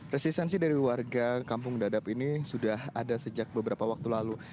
resistensi dari warga kampung dadap ini sudah ada sejak beberapa waktu lalu